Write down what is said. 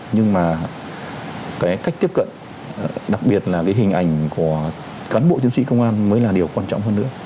nhưng mà cái cách tiếp cận đặc biệt là cái hình ảnh của cán bộ chiến sĩ công an mới là điều quan trọng hơn nữa